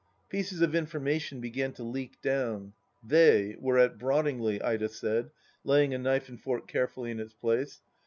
Pieces of information began to leak down. " They " were at Brottingley, Ida said, laying a knife and fork carefully in its place.